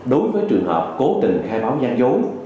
đối với trường hợp cố tình khai báo gian dối